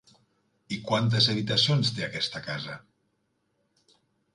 I quantes habitacions té aquesta casa?